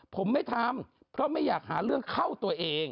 ผมไม่ทำเพราะไม่อยากหาเรื่องเข้าตัวเอง